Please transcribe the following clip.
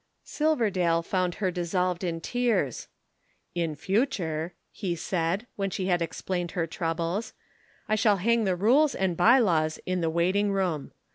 Silverdale found her dissolved in tears. "In future," he said, when she had explained her troubles, "I shall hang the rules and by laws in the waiting room.